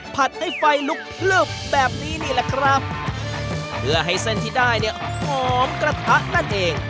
ให้ไฟลุกพลึบแบบนี้นี่แหละครับเพื่อให้เส้นที่ได้เนี่ยหอมกระทะนั่นเอง